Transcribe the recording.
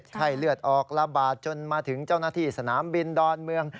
ไข้เลือดออกระบาดจนมาถึงเจ้าหน้าที่สนามบินดอนเมือง